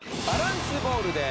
バランスボール？